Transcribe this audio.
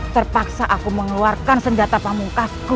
terpaksa aku mengeluarkan senjata pamungkasku